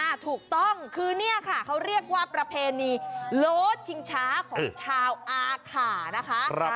ถูกต้องคือเนี่ยค่ะเขาเรียกว่าประเพณีโลดชิงช้าของชาวอาขานะคะ